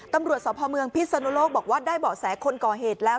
ตำรวจสพเมืองพิศนุโลกบอกว่าได้เบาะแสคนก่อเหตุแล้ว